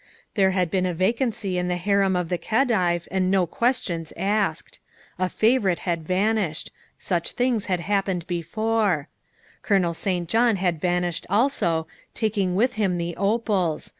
There had been a vacancy in the harem of the Khedive and no questions asked. A favorite had vanished such things had happened before; Colonel St. John had vanished also, taking with him the opals.